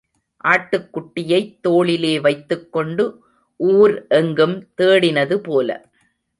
ஆட்டுக்குட்டியைத் தோளிலே வைத்துக்கொண்டு ஊர் எங்கும் தேடினது போல.